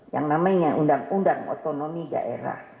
yang namanya undang undang otonomi daerah